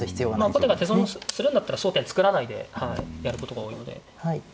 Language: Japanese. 後手が手損するんだったら争点作らないでやることが多いので。